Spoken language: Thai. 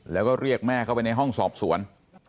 แล้วก็เรียกแม่เข้าไปในห้องสอบสวน